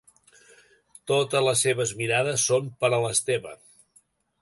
Totes les seves mirades són per a l'Esteve.